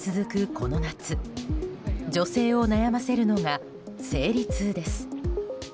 この夏女性を悩ませるのが生理痛です。